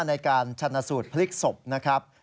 ในการชนะสูตรพลิกศพนะครับ